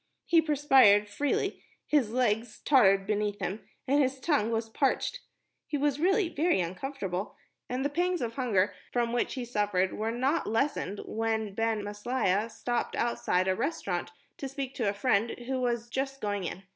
He perspired freely, his legs tottered beneath him, and his tongue was parched. He was really very uncomfortable, and the pangs of hunger from which he suffered were not lessened when Ben Maslia stopped outside a restaurant to speak to a friend who was just going in.